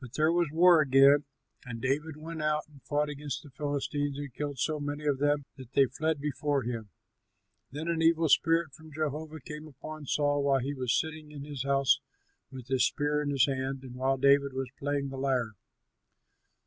But there was war again, and David went out and fought against the Philistines and killed so many of them that they fled before him. Then an evil spirit from Jehovah came upon Saul while he was sitting in his house with his spear in his hand and while David was playing on the lyre.